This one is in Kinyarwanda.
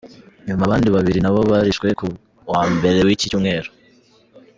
Nyuma abandi babiri nabo barishwe kuwa Mbere w’iki cyumweru.